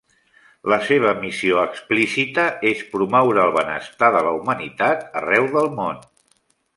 La seva missió explícita és promoure el benestar de la humanitat arreu del món.